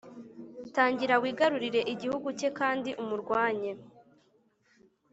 Tangira wigarurire igihugu cye kandi umurwanye.